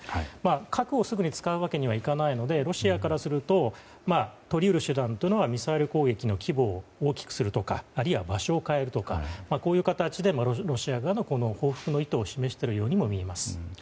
核をすぐに使うわけにはいかないのでロシアからするととり得る手段はミサイル攻撃の規模を大きくするとかあるいは場所を変えるとかこういう形でロシア側は報復の意図を示していると思います。